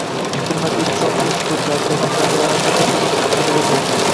Ikki hurmatli iqtisodchi institutlar, demokratiya va, albatta, korruptsiya haqida gaplashdi